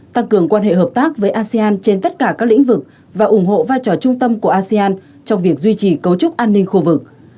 tăng cường quan hệ hợp tác với asean trên tất cả các lĩnh vực và ủng hộ vai trò trung tâm của asean trong việc duy trì cấu trúc an ninh khu vực